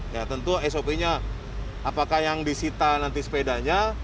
ya tentu sop nya apakah yang disita nanti sepedanya